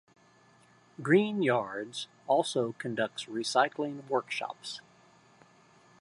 Green Yards also conducts recycling workshops.